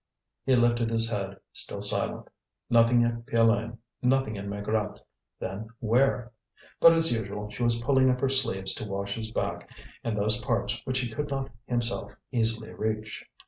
He lifted his head, still silent. Nothing at Piolaine, nothing at Maigrat's: then where? But, as usual, she was pulling up her sleeves to wash his back and those parts which he could not himself easily reach.